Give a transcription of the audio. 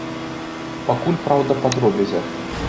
Пакуль, праўда, па дробязях.